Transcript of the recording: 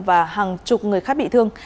và hàng chục người khác bị thương